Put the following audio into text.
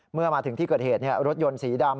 เมื่อมาถึงที่เกิดเหตุรถยนต์สีดำ